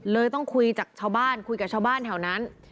เลยต้องคุยจากชาวบ้านคุยกับชาวบ้านแถวนั้น